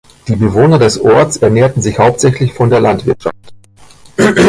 Die Bewohner des Orts ernährten sich hauptsächlich von der Landwirtschaft.